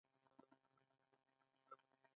خطر څنګه پیژندل کیږي؟